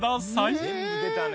全部出たね。